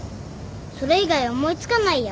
それ以外思い付かないや。